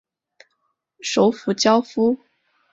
首府焦夫。